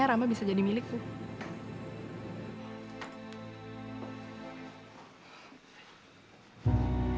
itu artinya rama bisa jadi milik gue